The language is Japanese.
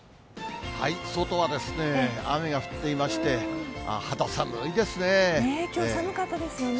外は雨が降っていまして、きょう寒かったですよね。